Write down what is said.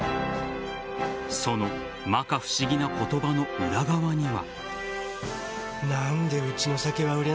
その摩訶不思議な言葉の裏側には。